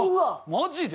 マジで？